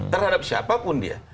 terhadap siapapun dia